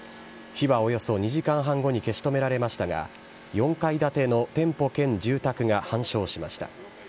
火はおよそ２時間半後に消し止められましたが、４階建ての店舗兼住宅が半焼しました。